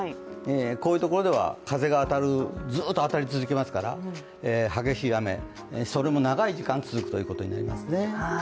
こういうところでは風がずっと当たり続けますから激しい雨、それも長い時間続くということになりますね。